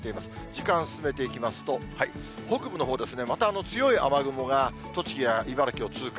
時間進めていきますと、北部のほうですね、また強い雨雲が栃木や茨城を通過。